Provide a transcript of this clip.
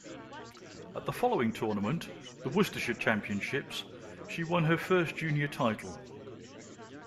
At the following tournament, the Worcestershire championships, she won her first junior title.